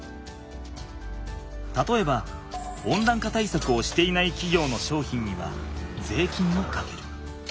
たとえば温暖化対策をしていないきぎょうの商品にはぜいきんをかける。